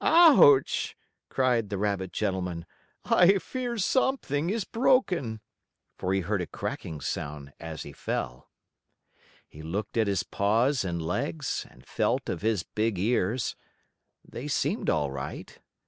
"Ouch!" cried the rabbit gentleman, "I fear something is broken," for he heard a cracking sound as he fell. He looked at his paws and legs and felt of his big ears. They seemed all right.